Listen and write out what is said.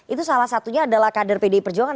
itu salah satunya adalah kader pdi perjuangan